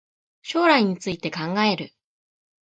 将来について考える